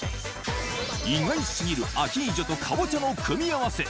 意外過ぎるアヒージョとカボチャの組み合わせ。